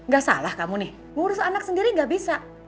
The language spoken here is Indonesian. gak salah kamu nih ngurus anak sendiri gak bisa